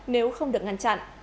nếu không được ngăn chặn